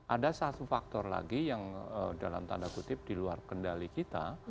ada satu faktor lagi yang dalam tanda kutip di luar kendali kita